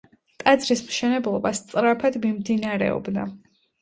ტაძრის მშენებლობა სწრაფად მიმდინარეობდა.